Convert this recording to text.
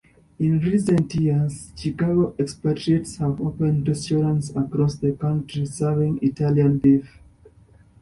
In recent years, Chicago expatriates have opened restaurants across the country serving Italian beef.